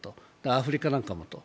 アフリカなんかもと。